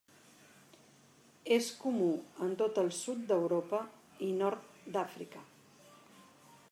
És comú en tot el sud d'Europa i Nord d'Àfrica.